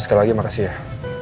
sekali lagi makasih